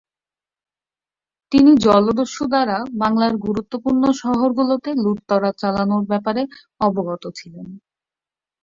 তিনি জলদস্যু দ্বারা বাংলার গুরুত্বপূর্ণ শহর গুলোতে লুটতরাজ চালানোর ব্যাপারে অবগত ছিলেন।